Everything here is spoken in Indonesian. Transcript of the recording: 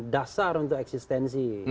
dasar untuk eksistensi